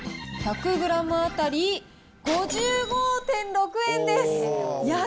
１００グラム当たり５５．６円です。